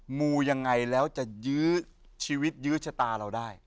มูยังไงแล้วจะยื้อชีวิตยื้อชะตาเราได้